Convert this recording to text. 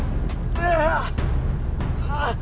ああ！